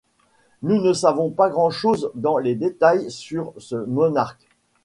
Nous ne savons pas grand-chose dans les détails sur ce monarque.